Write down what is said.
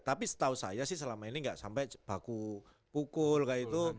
tapi setahu saya sih selama ini nggak sampai baku pukul kayak itu